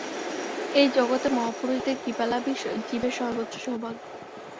এই জগতে মহাপুরুষের কৃপালাভই জীবের সর্বোচ্চ সৌভাগ্য।